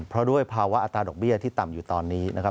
เพราะด้วยภาวะอัตราดอกเบี้ยที่ต่ำอยู่ตอนนี้นะครับ